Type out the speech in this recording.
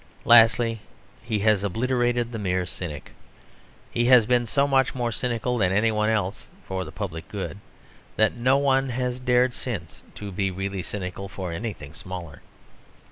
Lastly, he has obliterated the mere cynic. He has been so much more cynical than anyone else for the public good that no one has dared since to be really cynical for anything smaller.